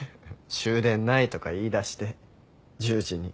終電ないとか言いだして１０時に。